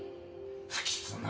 不吉な